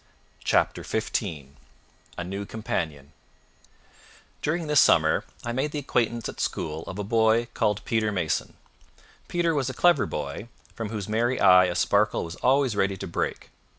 CHAPTER XV A New Companion During this summer, I made the acquaintance at school of a boy called Peter Mason. Peter was a clever boy, from whose merry eye a sparkle was always ready to break.